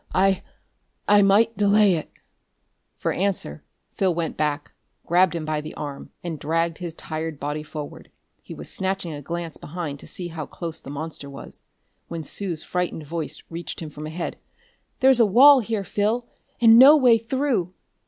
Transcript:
I I might delay it!" For answer, Phil went back, grabbed him by the arm and dragged his tired body forward. He was snatching a glance behind to see how close the monster was, when Sue's frightened voice reached him from ahead. "There's a wall here, Phil and no way through!"